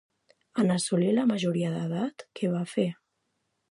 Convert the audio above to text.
En assolir la majoria d'edat, què va fer?